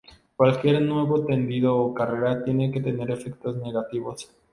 Cualquier nuevo tendido o carretera puede tener efectos negativos.